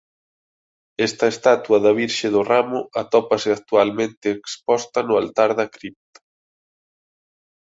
Esta estatua da «Virxe do ramo» atópase actualmente exposta no altar da cripta.